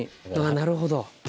なるほど。